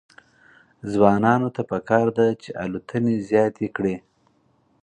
ځوانانو ته پکار ده چې، الوتنې زیاتې کړي.